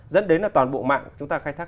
dẫn đến là toàn bộ mạng chúng ta khai thác